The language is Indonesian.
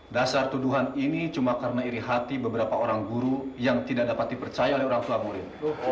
dasar tuduhan ini cuma karena iri hati beberapa orang guru yang tidak dapat dipercaya oleh orang tua murid